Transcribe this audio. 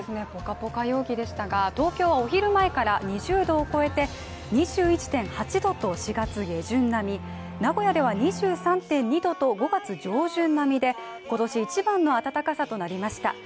ぽかぽか陽気でしたが東京はお昼前から２０度を超えて２１．８度と４月下旬並み、名古屋では２３．２度と５月上旬並みで、今年一番の暖かさとなりました。